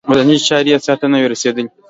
ودانیزې چارې یې سرته نه وې رسېدلې.